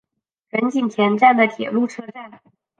仁井田站的铁路车站。